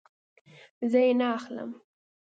زه یی نه اخلم